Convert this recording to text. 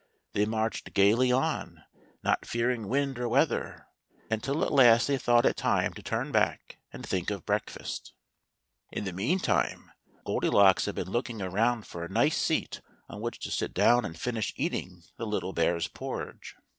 They marched gayly on, not fearing wind or weather, until at last they thought it time to turn back and think of breakfast. In the meantime Goldilocks had been looking around for a nice seat on which to sit down and finish eating the little bears porridge.